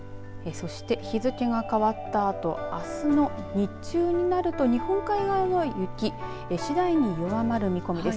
そして日付が変わったあとあすの日中になると日本海側には雪次第に弱まる見込みです。